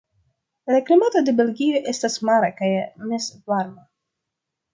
La klimato de Belgio estas mara kaj mezvarma.